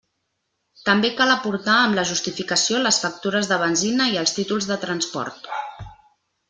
També cal aportar amb la justificació les factures de benzina i els títols de transport.